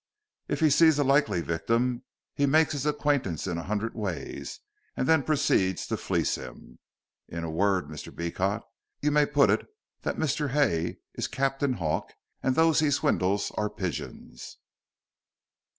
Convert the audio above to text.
If he sees a likely victim he makes his acquaintance in a hundred ways, and then proceeds to fleece him. In a word, Mr. Beecot, you may put it that Mr. Hay is Captain Hawk, and those he swindles are pigeons."